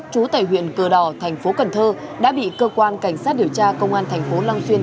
trú tại huyện cờ đỏ thành phố cần thơ đã bị cơ quan cảnh sát điều tra công an thành phố long xuyên